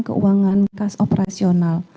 keuangan kas operasional